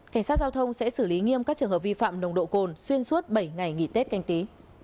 cảnh sát giao thông sẽ xử lý nghiêm các trường hợp vi phạm nồng độ cồn xuyên suốt bảy ngày nghỉ tết canh tí